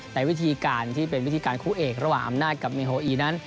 แต่วิธีการที่เป็นวิธีการคู่เอกระหว่างอำนาจกับเมโฮอีนั้น